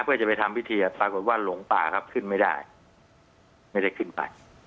เพื่อจะไปทำพิธีปรากฏว่าหลงป่าครับขึ้นไม่ได้ไม่ได้ขึ้นไป